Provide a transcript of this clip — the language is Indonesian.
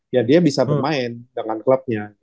ya dia bisa bermain dengan klubnya